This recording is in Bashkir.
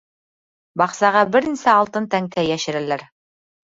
Баҡсаға бер нисә алтын тәңкә йәшерәләр.